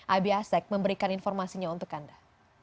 abi asek memberikan informasinya untuk anda